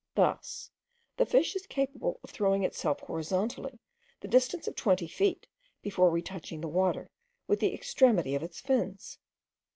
Thus, the fish is capable of throwing itself horizontally the distance of twenty feet before retouching the water with the extremity of its fins.